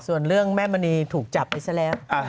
ส่วนเรื่องแม่มณีถูกจับไปซะแล้ว